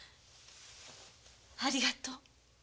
ありがとう。